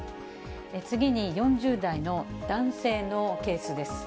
次に、４０代の男性のケースです。